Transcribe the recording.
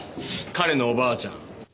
彼のおばあちゃん。